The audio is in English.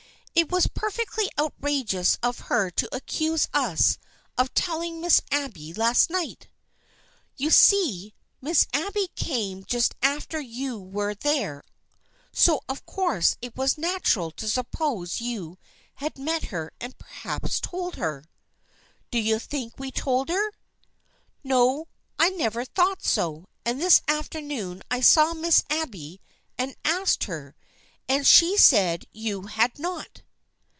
" It was perfectly outrageous of her to accuse us of telling Miss Abby last night.' ■" You see, Miss Abby came just after you were there, so of course it was natural to suppose you had met her and perhaps told her." " Do you think we told her ?"" No, I never thought so, and this afternoon I saw Miss Abby and asked her, and she said you had not."